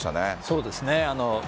そうですね。